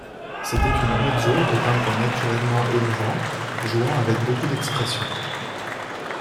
C’était une mezzo au timbre naturellement émouvant, jouant avec beaucoup d’expression.